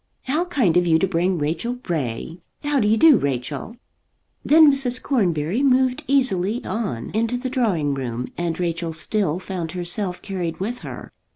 How kind of you to bring Rachel Ray. How do you do, Rachel?" Then Mrs. Cornbury moved easily on into the drawing room, and Rachel still found herself carried with her.